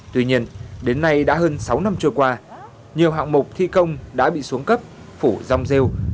tuy nhiên đến nay đã hơn sáu năm trôi qua nhiều hạng mục thi công đã bị xuống cấp phủ rong rêu